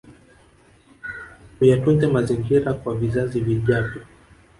Tuyatunze mazingira kwa vizazi vijavyo